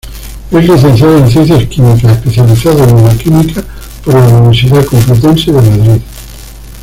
Es licenciado en Ciencias Químicas, especializado en Bioquímica por la Universidad Complutense de Madrid.